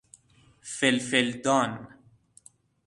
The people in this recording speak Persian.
فلفل دان